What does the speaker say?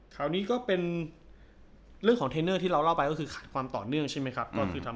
คราวนี้ก็เป็นเรื่องของเทรนเนอร์ที่เราเล่าไปก็คือขาดความต่อเนื่องใช่ไหมครับ